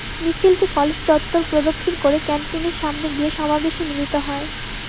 মিছিলটি কলেজ চত্বর প্রদক্ষিণ করে ক্যানটিনের সামনে গিয়ে সমাবেশে মিলিত হয়।